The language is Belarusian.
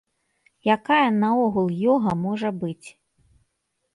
Якая наогул ёга можа быць?